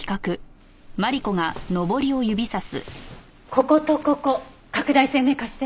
こことここ拡大鮮明化して。